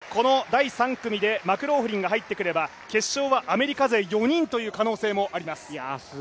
ですから、この第３組でマクローフリンが入ってくれば決勝はアメリカ勢４人という可能性もあります。